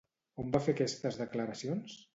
On va fer aquestes declaracions?